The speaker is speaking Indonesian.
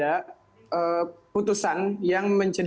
apa yang terjadi